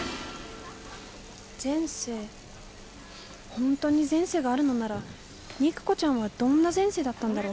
本当に前世があるのなら肉子ちゃんはどんな前世だったんだろう。